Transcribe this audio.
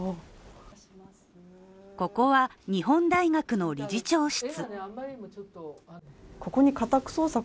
ここは日本大学の理事長室。